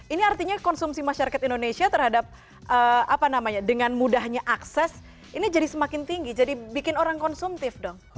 ini artinya konsumsi masyarakat indonesia terhadap apa namanya dengan mudahnya akses ini jadi semakin tinggi jadi bikin orang konsumtif dong